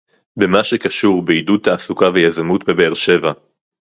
במה שקשור בעידוד תעסוקה ויזמות בבאר-שבע